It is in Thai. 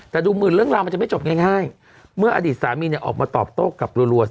แต่ดูหมื่นเรื่องราวมันจะไม่จบง่ายเมื่ออดีตสามีเนี่ยออกมาตอบโต้กลับรัว